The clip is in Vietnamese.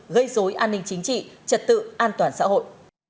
gây dối an ninh chính trị trật tự an toàn xã hội